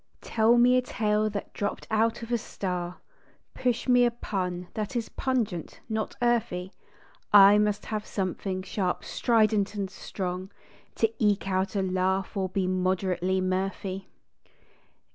Tell me a tale that dropped out of a star, Push me a pun that is pungent, not earthy. I must have something sharp, strident, and strong To eke out a laugh or be moderately mirthy.